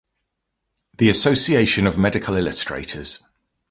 The Association of Medical Illustrators.